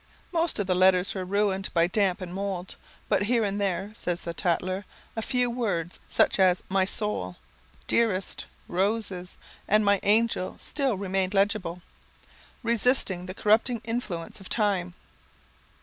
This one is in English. Most of the letters were ruined by damp and mould, but "here and there," says the Tatler, "a few words such as 'my soul,' 'dearest,' 'roses,' and 'my angel,' still remained legible, resisting the corrupting influence of Time."